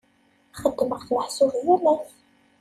Xeddmeɣ-t meḥsub yal ass.